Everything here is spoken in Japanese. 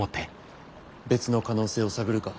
別の可能性を探るか。